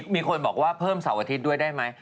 มีคนบอกว่าเพิ่มเสาร์อาทิตย์ด้วยได้ไหม